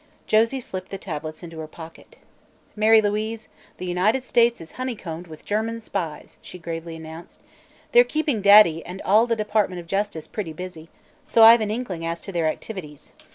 Josie slipped the tablets into her pocket. "Mary Louise, the United States is honeycombed with German spies," she gravely announced. "They're keeping Daddy and all the Department of Justice pretty busy, so I've an inkling as to their activities.